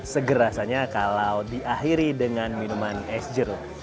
segera rasanya kalau diakhiri dengan minuman es jeruk